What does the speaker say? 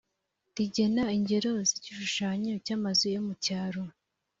rigena ingero z igishushanyo cy amazu yo mu cyaro